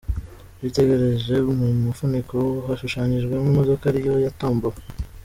Witegereje mu mufuniko hashushanyijemo imodoka ariyo yatombowe.